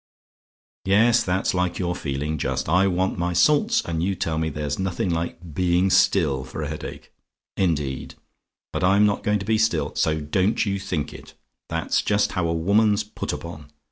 "Yes, that's like your feeling, just. I want my salts, and you tell me there's nothing like being still for a headache. Indeed? But I'm not going to be still; so don't you think it. That's just how a woman's put upon.